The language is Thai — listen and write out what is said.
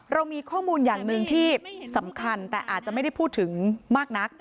เรามีข้อมูลอย่างหนึ่งที่สำคัญแต่อาจจะไม่ได้พูดถึงมากนัก